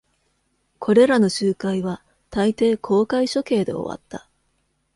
これらの集会はたいてい公開処刑で終わった。